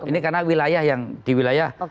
ini karena wilayah yang di wilayah